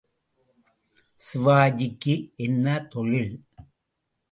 சிவாஜிக்கு என்ன தொழில்?